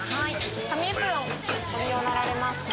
紙エプロンご利用になられますか？